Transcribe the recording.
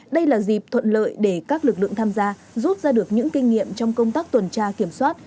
đây là dịp thuận lợi để các lực lượng tham gia rút ra được những kinh nghiệm trong công tác tuần tra kiểm soát